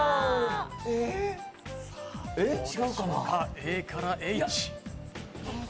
ＡからＨ。